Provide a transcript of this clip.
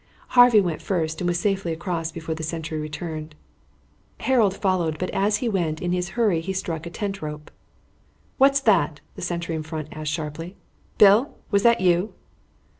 Harvey went first and was safely across before the sentry returned. Harold followed; but, as he went, in his hurry he struck a tent rope. "What's that?" the sentry in front asked sharply. "Bill, was that you?"